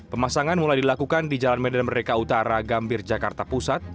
pemasangan mulai dilakukan di jalan medan merdeka utara gambir jakarta pusat